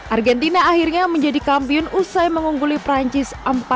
argentina akhirnya menjadi kampion usai mengungguli perancis empat dua